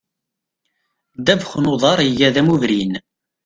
Ddabex n uḍar iga d amubrin.